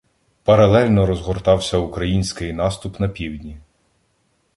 Паралельно розгортався український наступ на півдні.